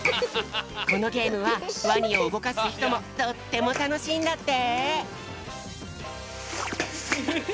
このゲームはワニをうごかすひともとってもたのしいんだって！